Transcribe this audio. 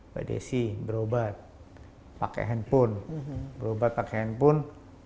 mbak desi berobat pakai handphone berobat pakai handphone